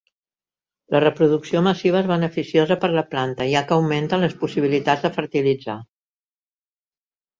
La reproducció massiva és beneficiosa per a la planta, ja que augmenta les possibilitats de fertilitzar.